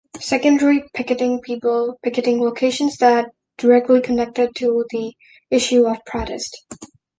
Secondary picketing people picketing locations that directly connected to the issue of protest.